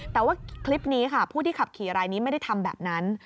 แต่ว่าคลิปนี้ค่ะผู้ที่ขับขี่รายนี้ไม่ได้ทำแบบนั้น